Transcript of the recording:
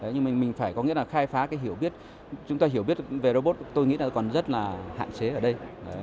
nhưng mình phải khai phá cái hiểu biết chúng ta hiểu biết về robot tôi nghĩ là còn rất là hạn chế ở đây